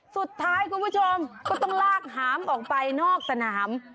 คุณผู้ชมก็ต้องลากหามออกไปนอกสนาม